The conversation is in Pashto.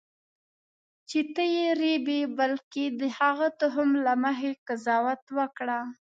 چې ته یې رېبې بلکې د هغه تخم له مخې قضاوت وکړه.